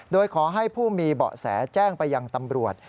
โดยขอให้ผู้มีเบาะแสแจ้งไปยังตำรวจ